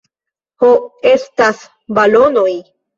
Ho estas balonoj